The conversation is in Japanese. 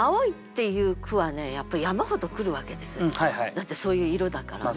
だってそういう色だからね。